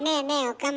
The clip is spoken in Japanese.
岡村。